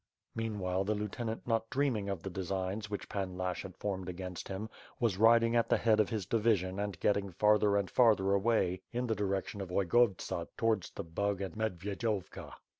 Meanwhile, the lieutenant not dreaming of the designs which Pan Lashch had formed against him, was riding at the head of his division and getting farther and farther away in the direction of Ojygovtsa towards the Bug and Medvi edovki.